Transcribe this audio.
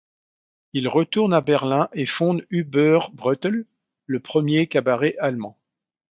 Il retourne à Berlin et fonde Überbrettl, le premier cabaret allemand.